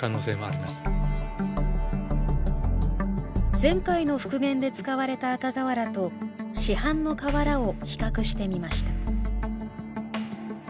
前回の復元で使われた赤瓦と市販の瓦を比較してみました